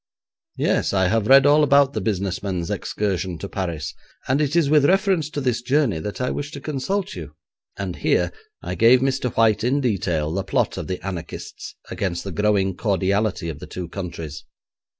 'Yes; I have read all about the business men's excursion to Paris, and it is with reference to this journey that I wish to consult you,' and here I gave Mr. White in detail the plot of the anarchists against the growing cordiality of the two countries.